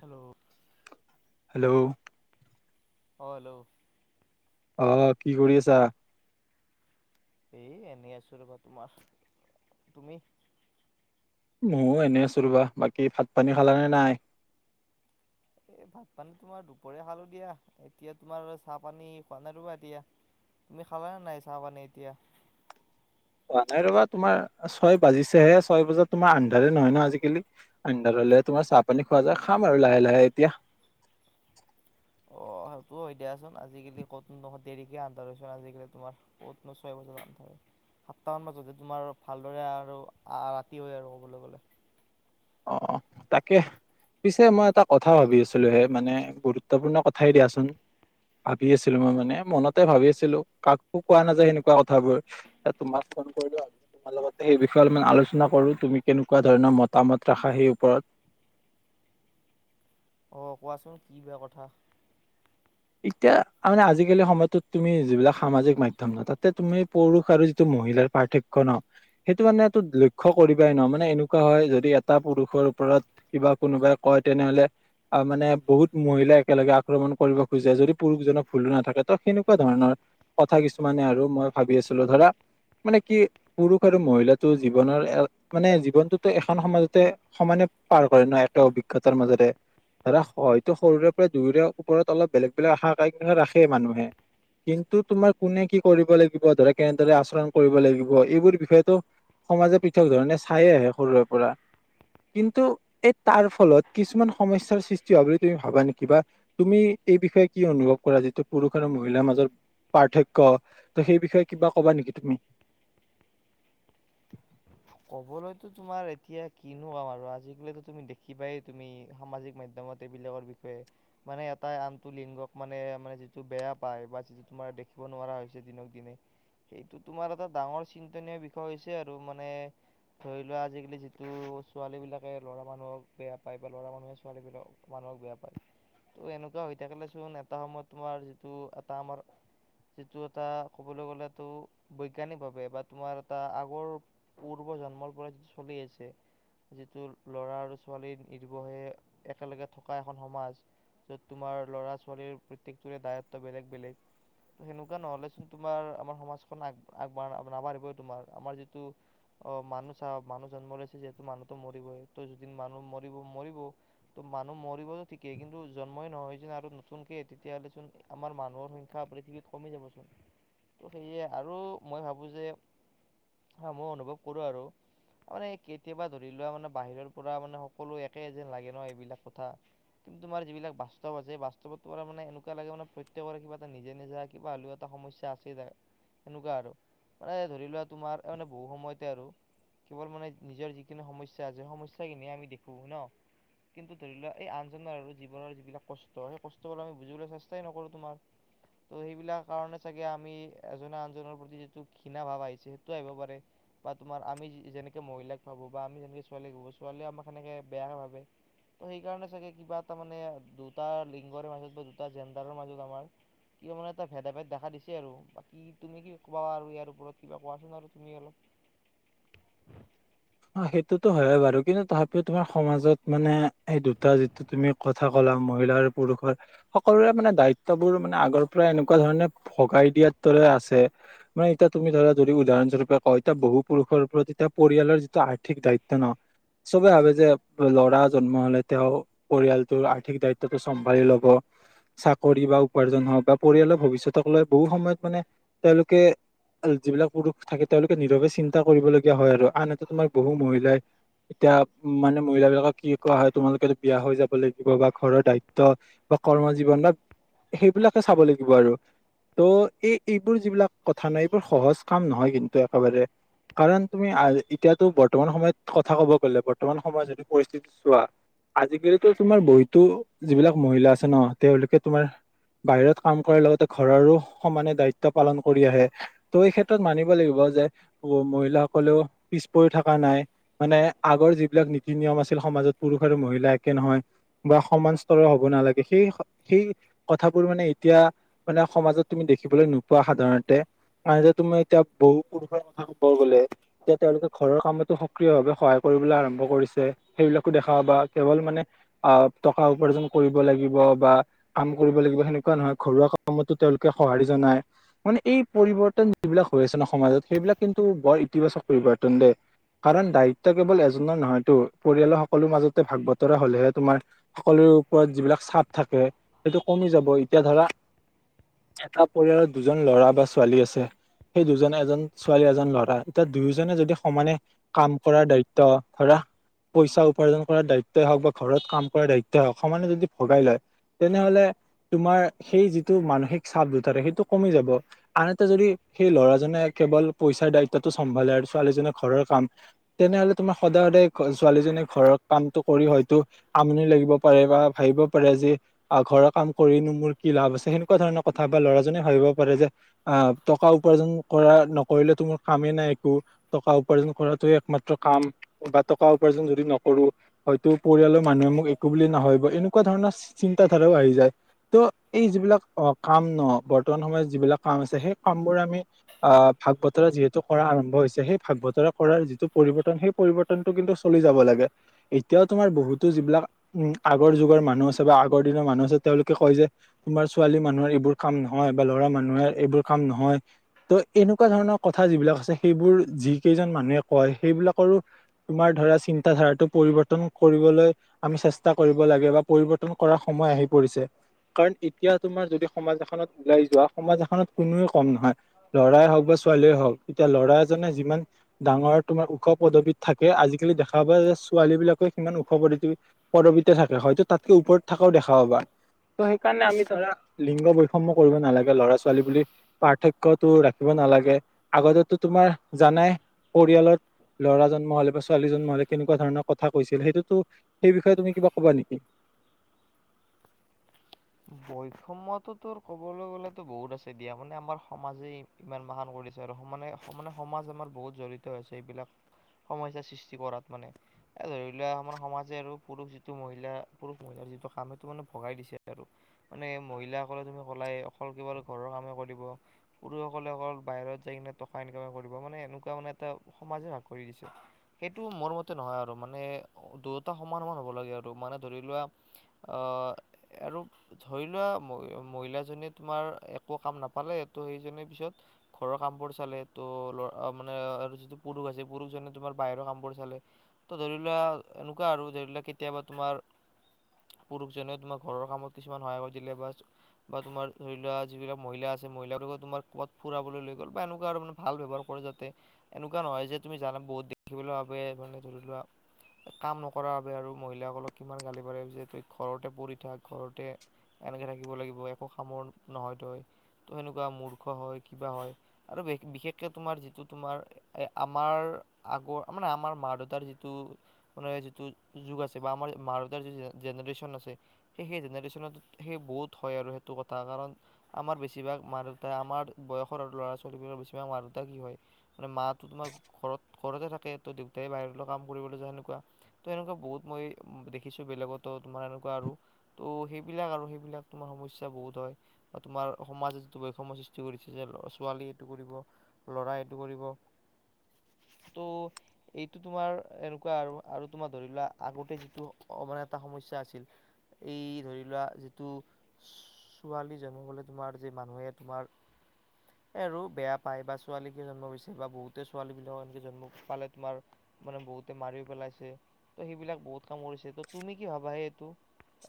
Hello. Hello. অ' hello. অ' কি কৰি আছা? এই এনেই আছোঁ ৰ'বা তোমাৰ। তুমি? ময়ো এনেই আছোঁ ৰ'বা। বাকী ভাত পানী খালানে নাই? এই ভাত পানী তোমাৰ দুপৰীয়া খালোঁ দিয়া। এতিয়া তোমাৰ চাহ পানী খোৱা নাই ৰ'বা এতিয়া। তুমি খাবানে নাই চাহ পানী এতিয়া? খোৱা নাই ৰ'বা, তোমাৰ ছয় বাজিছেহে, ছয় বজাত তোমাৰ আন্ধাৰে নহয় ন' আজিকালি। আন্ধাৰ হ'লেহে তোমাৰ চাহ পানী খোৱা যা, খামা আৰু লাহে লাহে এতিয়া। অ', সেইটো হয় দিয়াচোন। আজিকালি ক'ত দেৰিকে আন্ধাৰ হৈছোন, আজিকালি তোমাৰ ক'তনো ছয় বজাত আন্ধাৰ। সাতটামান বাজোতে তোমাৰ ভালদৰে আৰু আ-ৰাতি হয় আৰু ক'বলৈ গ'লে। অ' তাকে। পিছে মই এটা কথা ভাবি আছিলোঁহে মানে গুৰুত ত্বপূৰ্ণ কথাই দিয়াচুন। ভাবি আছিলোঁ মই মানে, মনতে ভাবি আছিলোঁ কাকো কোৱা নাযায় সেনেকুৱা কথাবোৰ। এ, তোমাক ফোন কৰিলোঁ, তোমাৰ লগতে সেই বিষয়ে অলপমান আলোচনা কৰোঁ তুমি কেনেকুৱা ধৰণৰ মতামত ৰাষাহীৰ ওপৰত। অ' কোৱাচোন কি বা কথা। এতিয়া আ, মানে আজিকালি সময়টোত তুমি যিবিলাক সামাজিক মাধ্যম ন' তাতে তুমি পুৰুষ আৰু যিটো মহিলাৰ পাৰ্থক্য ন'। সেইটো মানেটো লক্ষ্য কৰিবাই ন' মানে এনেকুৱা হয় যদি এটা পুৰুষৰ ওপৰত কিবা কোনোবাই কয় তেনেহ'লে অ' মানে বহুত মহিলাই একেলগে আক্ৰমণ কৰিব খোজে যদি পুৰুষজনৰ ভুল নাথাকে ত' সেনেকুৱা ধৰণৰ কথা কিছুমানে আৰু মই ভাবি আছিলোঁ ধৰা মানে কি পুৰুষ আৰু মহিলাটো জীৱনৰ এ মানে জীৱনটোতো এখন সমাজতে সমানে পাৰ কৰে ন' একে অভিজ্ঞতাৰ মাজেৰে। ধৰা হয়তো সৰুৰে পৰা দুয়োৰে ওপৰত অলপ বেলেগ বেলেগ আশা কি ৰাখেই মানুহে। কিন্তু তোমাৰ কোনে কি কৰিব লাগিব, ধৰা কেনেদৰে আচৰণ কৰিব লাগিব, এইবোৰ বিষয়তো সমাজে পৃথক ধৰণে চায়ে আহে সৰুৰে পৰা। কিন্তু এই তাৰ ফলত কিছুমান সমস্যয়াৰ সৃষ্টি হোৱা বুলি তুমি ভাবা নেকি বা তুমি এই বিষয়ে কি অনুভৱ কৰা যিটো পুৰুষ আৰু মহিলাৰ মাজত পাৰ্থক্য ত' সেই বিষয়ে কিবা ক'বা নেকি তুমি? ক'বলৈতো তোমাৰ এতিয়া কিনো ক'ম আৰু আজিকালিতো তুমি দেখিবাই তুমি সমাজিক মাধ্যমত গোটেবিলাকৰ বিষয়ে, মানে এটাই আনটো লিংগক মানে মানে যিটো বেয়া পায় বা যি তোমাৰ দেখিব নোৱাৰা হৈছে দিনক দিনে। সেইটো তোমাৰ এটা ডাঙৰ চিন্তনীয় বিষয় হৈছে আৰু মানে ধৰি লোৱা আজিকালি যিটো ছোৱালীবিলাকে ল'ৰা মানুহক বেয়া পায়, বা ল'ৰা মানুহে ছোৱালীবিলাক মানুহক বেয়া পায়, ত' এনেকুৱা হৈ থাকিলেচোন এটা সময়ত তোমাৰ যিটো এটা আমাৰ যিটো এটা ক'বলৈ গ'লেতো বৈজ্ঞানিকভাৱে বা তোমাৰ এটা আগৰ পূৰ্ব জন্মৰ পৰাই চলি আছে। যিটো ল'ৰা আৰু ছোৱালী নিৰ্ভশে একেলগে থকা এখন সমাজ। য'ত তোমাৰ ল'ৰা, ছোৱালীৰ প্ৰত্যেকটোৰে দায়ত্ব বেলেগ বেলেগ। সেনেকুৱা নহ'লেচোন তুমাৰ আমাৰ সমাজখন আগ-আগবাঢ় নাবাঢ়িবই তোমাৰ। আমাৰ যিটো অ', মানুহ চাওক, মানুহ জন্ম লছে যিহেতু মানুহতো মৰিবই। ত' যদিন মানুহ মৰিব মৰিব ত' মানুহ মৰিবতো ঠিকেই, কিন্তু জন্মই নহয় যে আৰু নতুনকে, তেতিয়াহ'লে চোন আমাৰ মানুহৰ সংখ্যা পৃথিৱীত কমি যাবচোন। ত' সেয়ে আৰু মই ভাবোঁ যে অ', মই অনুভৱ কৰোঁ আৰু। মানে কেতিয়াবা ধৰি লোৱা মানে বাহিৰৰ পৰা মানে সকলো একে যেন লাগে ন এইবিলাক কথা। কিন্তুমাৰ যিবিলাক বাস্তৱ আছে, এই বাস্তৱত তোমাৰ মানে এনেকুৱা লাগে মানে প্ৰত্যেকৰে কিবাটা নিজা নিজা কিবা হলও এট এটা সমস্যা আছে যাৰ, সেনেকুৱা আৰু। মানে ধৰি লোৱা তোমাৰ মানে বহু সময়ত তে আৰু, কেৱল মানে নিজৰ যিকখিনি সমস্যা আছে সমস্যাখিনিে আমি দেখোঁ ন? কিন্তু ধৰি লোৱা এই আনজনৰ আৰু জীৱনৰ যিবিলাক কষ্ট, সেই কষ্টবোৰাক আমি বুজিবলৈ চেষ্টাই নকৰো তোমাৰ। ত', সেইবিলাক কাৰণে চাগে আমি এজনে আনজনৰ প্ৰতি যিটো ঘৃণা ভাৱ আহিছে সেইটোও আহিব পাৰে। বা তোমাৰ আমি যেনেকৈ মহিলাক ভাবোঁ বা আমি যেনেকৈ ছোৱালীক ভাবোঁ, ছোৱালীয়েও আমাক সনেকৈ বেয়া নাভাবে। ত' সেইকাৰণে চাগে কিবা এটা মানে দুটা লিংগৰ মাজতো, দুটা জেণ্ডাৰৰ মাজত আমাৰ কিয় মানে এটা ভেদাভেদ দেখা দিছে আৰু। বাকী তুমি কি কোৱা আৰু ইয়াৰ ওপৰত কিবা কোৱাচোন আৰু তুমি অলপ। অ', সেইটোতো হয়ে বাৰু কিন্তু তাৰ পিছত তোমাৰ সমাজত মানে এই দুটা যি তুমি কথা ক'লা মহিলা আৰু পুৰুষৰ সকলোৰে মানে দায়িত্ববোৰ মানে আগৰ পৰা এনেকুৱা ধৰণে ভগাই দিয়াৰ দৰে আছে। মানে এতিয়া তুমি ধৰা যদি উদাহৰণ স্বৰূপে কয়, এতিয়া বহু পুৰুষৰ ওপৰত এতিয়া পৰিয়ালৰ আৰ্থিক দায়িত্ব ন, চবে ভাবে যে ল'ৰা জন্ম হ'লে তেওঁ পৰিয়ালটোৰ আৰ্থিক দায়িত্বটো চম্ভালি ল'ব। চাকৰি বা উপাৰ্জন হওঁক বা পৰিয়ালৰ ভৱিষ্যতক লৈ বহু সময়ত মানে তেওঁলোকে আৰু যিবিলাক পুৰুষ থাকে তেওঁলোকে নীৰৱে চিন্তা কৰিবলগীয়া হয় আৰু, আনহতে তোমাৰ বহু মহিলাই এতিয়া উম, মানে মহিলাবিলাকক কি কোৱা হয় তোমালোকেতো বিয়া হৈ যাব লাগিব বা ঘৰৰ দায়িত্ব বা কৰ্ম জীৱন বা, সেইবিলাকে চাব লাগিব আৰু। ত' এই-এইবোৰ যিবিলাক কথা নাই, এইবোৰ সহজ কাম নহয় কিন্তু একেবাৰে। কাৰণ তুমি আজি এতিয়াটো বৰ্তমান সময়ত কথা ক'ব গ'লে, বৰ্তমান সময়ত যদি পৰিস্থিতি চোৱা আজিকালিটো তোমাৰ বহীতো যিবিলাক মহিলা আছে ন, তেওঁলোকে তোমাৰ বাহিৰৰ কাম কৰাৰ লগতে ঘৰৰো সমানে দায়িত্ব পালন কৰি আহে। ত', এই ক্ষেত্ৰত মানিব লাগিব যে মহিলাসকলেও পিছ পৰি থকা নাই, মানে আগৰ যিবিলাক নীতি নিয়ম আছিল সমাজত পুৰুষ আৰু মহিলা একে নহয়। বা সমান স্তৰৰ হ'ব নালাগে। সেই স-সেই কথাবোৰ মানে এতিয়া, মানে সমাজত তুমি দেখিবলৈ নোপোৱা সাধাৰণতে। আৰু যে তুমি এতিয়া বহু পুৰুষৰ কথা ক'ব গ'লে, এতিয়া তেওঁলোকে ঘৰৰ কামতো সক্ৰিয় ভাৱে সহায় কৰিবলৈ আৰম্ভ কৰিছে। সেইবিলাকো দেখা পাবা, কেৱল মানে আ', টকা উপাৰ্জন কৰিব লাগিব, বা কাম কৰিব লাগিব সেনেকুৱা নহয়, ঘৰুৱা কামতো তেওঁলোকে সঁহাৰি জনায়। মানে এই পৰিৱৰ্তন যিবিলাক হৈ আছে ন সমাজত, সেইবিলাক কিন্তু বৰ ইতিবাচক পৰিৱৰ্তন দেই। কাৰণ দায়িত্ব কেৱল এজনৰ নহয়টো, পৰিয়ালৰ সকলো মাজতে ভাগ বতৰা হ'লেহে তোমাৰ সকলোৰে ওপৰত যিবিলাক চাপ থাকে, সেইটো কমি যাব। এতিয়া ধৰা এটা পৰিয়ালত দুজন ল'ৰা বা ছোৱালী আছে। সেই দুজনে এজন ছোৱালী এজন ল'ৰা। এতিয়া দুয়োজনে যদি সমানে কাম কৰাৰ দায়িত্ব ধৰা পইচা উপাৰ্জন কৰাৰ দায়িত্বই হওঁক বা ঘৰত কাম কৰাৰ দায়িত্বই হওঁক, সমানে যদি ভগাই লয় তেনেহ'লে তোমাৰ সেই যিটো মানসিক চাপ দুটা থাকে সেইটো কমি যাব। আনহাতে যদি সেই ল'ৰাজনে কেৱল পইচাৰ দায়িত্বটো চম্ভালে আৰু ছোৱালীজনক ঘৰৰ কাম, তেনেহ'লে তোমাৰ সদায়, সদায় ছোৱালীজনী ঘৰৰ কামটো কৰি হয়টো আমনি লাগিব পাৰে বা ভাবিব পাৰে যে আ ঘৰৰ কাম কৰিনো মোৰ কি লাভ আছে। সেনেকুৱা ধৰণৰ কথা বা ল'ৰাজনে ভাবিব পাৰে যে আ টকা উপাৰ্জন কৰা, নকৰিলে টো মোৰ কামেই নাই একো টকা উপাৰ্জন কৰাটোৱে একমাত্ৰ কাম, বা টকা উপাৰ্জন যদি নকৰোঁ হয়তো পৰিয়ালৰ মানুহে মোক একো বুলি নাভাবিব, হেনেকুৱা ধৰণৰ চিন্তাধাৰাও আহি যায়। ত' এই যিবিলাক অ কাম ন, বৰ্তমান সময়ত যিবিলাক কাম আছে, সেই কাম বোৰ আমি অ', ভাগ বতৰা যিহেতু কৰা আৰম্ভ হৈছে হে ভাগ বতৰা কৰাৰ যিটো পৰিবৰ্তন সেই পৰিবৰ্তনটো কিন্তু চলি যাব লাগে। এতিয়াও তোমাৰ বহুতো যিবিলাক উম' আগৰ যুগৰ মানুহ আছে বা আগৰ দিনৰ মানুহ আছে, তেওঁলোকে কয় যে তোমাৰ ছোৱালী মানুহৰ এইবোৰ কাম নহয়, বা ল'ৰা মানুহে এইবোৰ কাম নহয়। ত' এনেকুৱা ধৰণৰ কথা যিবিলাক আছে সেইবোৰ যিকেইজন মানুহে কয় সেইবিলাকৰো তোমাৰ ধৰা চিন্ত ধাৰাটো পৰিবৰ্তন কৰিবলৈ আমি চেষ্টা কৰিব লাগে বা পৰিৱৰ্তন কৰা সময় আহি পৰিছে। কাৰণ এতিয়া তোমাৰ যদি সমাজ এখনত ওলাই যোৱা, সমাজ এখনত কোনোৱে কম নহয়। ল'ৰাই হওঁক বা ছোৱালীয়ে হওঁক, এতিয়া ল'ৰা এজনে যিমান ডাঙৰ তোমাৰ ওখ পদবীত থাকে, আজিকালি দেখা পায় যে ছোৱালী বিলাকে সিমান ওখ পদতি পদবীতে থাকে, হয়তো তাতকৈ ওপৰত থকাও দেখা পাবা। ত' সেইকাৰণে আমি ধৰা লিংগ বৈষম্য় কৰিব নালাগে ল'ৰা ছোৱালী বুলি পাৰ্থক্যটো ৰাখিব নালাগে। আগতেটো তোমাৰ জানাই পৰিয়ালত ল'ৰা জন্ম হলে বা ছোৱালী জন্ম হলে কেনেকুৱা ধৰণৰ কথা কৈছিল, সেইটোতো সেইবিষয়ে তুমি কিবা ক'বা নেকি? বৈষম্যতটোৰ ক'বলৈ গ'লেতো বহুত আছে দিয়া মানে আমাৰ সমাজেই ইমান বাহান কৰিছে আৰু সমানে মানে সমাজ আমাৰ বহুত জঢ়িত হৈছে এইবিলাক সমস্যাৰ সৃষ্টি কৰাত মানে। এ ধৰি লোৱা আমাৰ সমাজে আৰু পুৰুষ যিটো মহিলা, পুৰুষ মহিলাৰ যিটো কাম সেইটো মানে ভগাই দিছে। মানে মহিলাসকলে তুমি কলাই অকল কেৱাৰ ঘৰৰ কামেই কৰিব পুৰুষসকলে অকল বাহিৰত যাই কিনে টকা ইনকামে কৰিব মানে এনেকুৱা মানে এটা সমাজে ভাগ কৰি দিছে। সেইটো মোৰ মতে নহয় আৰু মানে দুয়োটা সমান, সমান হ'ব লাগে আৰু মানে ধৰি লোৱা অ'। আৰু ধৰি লোৱা মহিলাজনীয়ে তোমাৰ একো কাম নাপালে এইটো সেইজনে পিছত ঘৰৰ কামবোৰ চালে ত ল-মানে আৰু যিটো পুৰুষ আছে, পুৰুষজনে তোমাৰ বাহিৰৰ কামবোৰ চালে। ত' ধৰি লোৱা, এনেকুৱা আৰু ধৰি লোৱা কেতিয়াবা তোমাৰ, পুৰুষজনেও তোমাক ঘৰৰ কামত কিছুমান সহায় কৰি দিলে বাছ বা তোমাৰ ধৰি লোৱা যিবিলাক মহিলা আছে, মহিলা বিলাকে তোমাক কৰবাত ফুৰাবলৈ লৈ গ'ল বা এনেকুৱা আৰু ভাল ব্যৱহাৰ কৰে যাতে। এনেকুৱা নহয় যে তুমি জালে বহুত দেখিবলৈ মানে ধৰি লোৱা কাম নকৰা বাবে আৰু মহিলাসকলক কিমান গালি পাৰে যিহেতু ঘৰতে পৰি এতিয়া ঘৰতে এনেকৈ থাকিব লাগিব, একো কামৰ নহয় তই। তই এনেকুৱা মূৰ্খ হয়, কিবা হয়। আৰু বিশেষকে তোমাৰ যিটো তোমাৰ এ আমাৰ আগৰ মানে আমাৰ মা দেউতাৰ যিটো যিটো যুগ আছে বা আমাৰ মা দেউতাৰ যি জেনেৰেচন আছে সেই সেই জেনেৰেশ্যনত সেই বহুত হয় আৰু সেইটো কথা কাৰণ আমাৰ বেছিভাগ মা-দেউতা আমাৰ বয়সৰ ল'ৰা-ছোৱালীবোৰৰ বেছিভাগ মা-দেউতা কি হয় মানে মাতো তোমাৰ ঘৰত ঘৰতে থাকে ত দেউতাই বাহিৰলৈ কাম কৰিবলৈ যায় সেনেকুৱা তো এনেকুৱা বহুত মই দেখিছোঁ বেলেগতো তোমাৰ এনেকুৱা আৰু ত'সেইবিলাক আৰু সেইবিলাক তোমাৰ সমস্যা বহুত হয় তোমাৰ সমাজে যিটো বৈষম্য সৃষ্টি কৰিছে যে ছোৱালী এইটো কৰিব, ল'ৰাই এইটো কৰিব ত' এইটো তোমাৰ এনেকুৱা আৰু আৰু তোমাৰ ধৰি লোৱা আগতে যিটো অভাৰ এটা সমস্যা আছিল এই ধৰি লোৱা যিটো ছোৱালী জন্ম হলে তোমাৰ যে মানুহে তোমাৰ [inaudible] এ আৰু বেয়া পায় বা ছোৱালীকে জন্মহৈছে বা বহুতে ছোৱালী বিলাকক এনেকে জন্ম পালে তোমাৰ মানে বহুতে মাৰিও পেলাইছে, ত সেইবিলাক বহুত কাম কৰিছে, ত তুমি কি ভাবা সেই এইটো?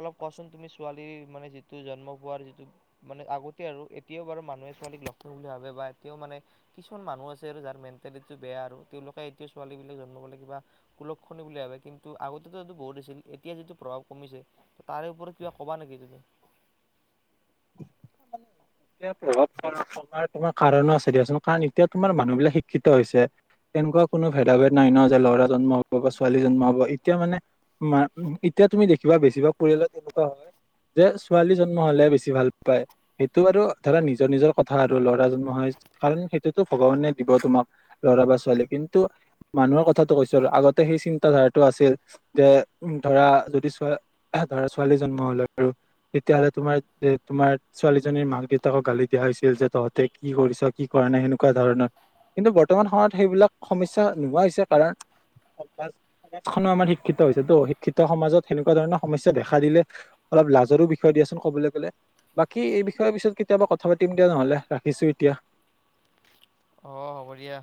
অলপ কোৱাঁচোন তুমি ছোৱালীৰ মানে যিটো জন্ম হোৱাৰ যিটো মানে আগতে আৰু এতিয়াও বাৰু মানুহে ছোৱালীক লক্ষণ বুলি ভাবে বা এতিয়াও মানে কিছুমান মানুহ আছে আৰু যাৰ মেণ্টেলিটিটো বেয়া আৰু তেওঁলোকে এতিয়া ছোৱালী বিলাক জন্মহলে কিবা কুলক্ষণি বুলি ভাবে, কিন্তু আগতেটো এইটো বহুত আছিল এতিয়া যিহেতু প্ৰভাৱ কমিছে ত' তাৰে ওপৰত কিবা কবা নেকি তুমি? [unintelligible] এয়া প্ৰভাৱ নথকাৰ তোমাৰ কাৰণো আছে দিয়চোন কাৰণ এতিয়া তোমাৰ মানুহ বিলাক শিক্ষিত হৈছে এনেকুৱা কোনো ভেদা ভেদ নাই ন যে ল'ৰা জন্ম হব বা ছোৱালী জন্ম হব এতিয়া মানে মা এতিয়া তুমি দেখিবা বেছিভাগ পৰিয়ালত এনেকুৱা হয় যে ছোৱালী জন্ম হলে বেছি ভাল পায় সেইটো বাৰু ধৰা নিজৰ নিজৰ কথা আৰু ল'ৰা জন্ম হয় কাৰণ সেইটোতো ভগৱানে দিব তোমাক ল'ৰা বা ছোৱালী কিন্তু মানুহৰ কথাটো কৈছো আৰু আগতে সেই চিন্তা ধাৰাটো আছিল যে ধৰা যদি ছোৱা ছোৱালী জন্ম হলে আৰু তেতিয়াহলে তোমাৰ তে তোমাৰ ছোৱালীজনীৰ মাক-দেউতাকক গালি দিয়া হৈছিল যে তহঁতে কি কৰিছ কি কৰা নাই সেনেকুৱা ধৰণৰ কিন্তু বৰ্তমান সময়ত সেইবিলাক সমস্যা নোহোৱা হৈছে কাৰণ সমাজখনো আমাৰ শিক্ষিত হৈছে তো শিক্ষিত সমাজত সেনেকুৱা ধৰণৰ সমস্যা দেখা দিলে অলপ লাজৰো বিষয় দিয়াচোন ক'বলে গ'লে বাকী এই বিষয়ৰ পিছত কেতিয়াবা কথা পাতিম দিয়া নহলে ৰাখিছো এতিয়া অ হ'ব দিয়া